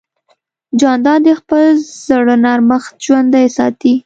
جانداد د خپل زړه نرمښت ژوندی ساتي.